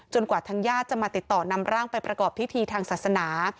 กว่าทางญาติจะมาติดต่อนำร่างไปประกอบพิธีทางศาสนา